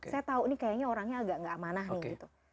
saya tahu nih kayaknya orangnya agak nggak amanah nih gitu